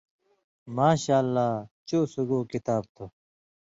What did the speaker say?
ماشاءاللہ - چو سُگاؤ کتاب تُھو۔